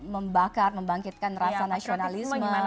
membakar membangkitkan rasa nasionalisme